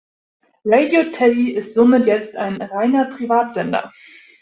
Radio Teddy ist somit jetzt ein reiner Privatsender.